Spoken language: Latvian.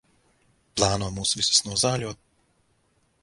Plāno mūs visus nozāļot?